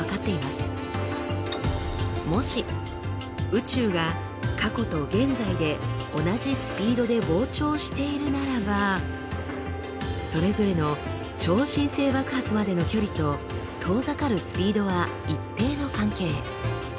もし宇宙が過去と現在で同じスピードで膨張しているならばそれぞれの超新星爆発までの距離と遠ざかるスピードは一定の関係。